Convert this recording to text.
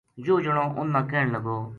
یوہ جنو اُنھ نا کہن لگو